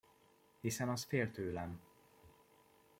Hiszen az fél tőlem!